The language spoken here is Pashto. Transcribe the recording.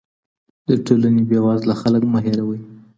د ټولني بې وزله خلګ مه هېروئ.